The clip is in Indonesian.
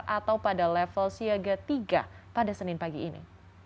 atau pada level siaga tiga pada senin pagi ini